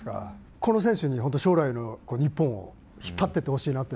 この選手に、本当、将来の日本を引っ張っていってほしいなって。